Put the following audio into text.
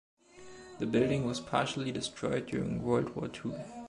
The building was partially destroyed during World War ll.